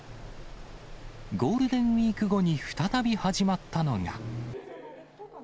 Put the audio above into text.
ゴールデンウィーク後に再び始まったのが。